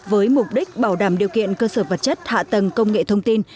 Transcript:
với mục đích bảo đảm điều kiện cơ sở vật chất hạ tầng công nghệ thông tin